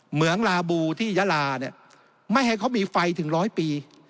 เมืองลาบูที่ยาลาเนี่ยไม่ให้เขามีไฟถึงร้อยปี